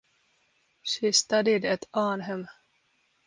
She studied at (Arnhem).